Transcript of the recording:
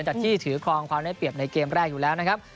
จากที่ถือครองความได้เปรียบในเกมแรกอยู่แล้วนะครับ